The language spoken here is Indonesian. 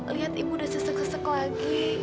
lihat ibu udah sesek sesek lagi